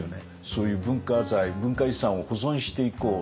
そういう文化財文化遺産を保存していこう。